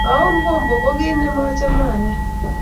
a un kombok ko kit ne machame a aye